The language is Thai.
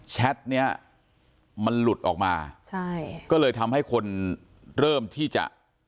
แท็ตเนี้ยมันหลุดออกมาใช่ก็เลยทำให้คนเริ่มที่จะ